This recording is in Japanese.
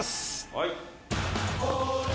はい・